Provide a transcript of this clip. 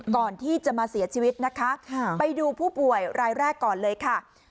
ก่อนที่จะมาเสียชีวิตนะคะไปดูผู้ป่วยรายแรกก่อนเลยค่ะ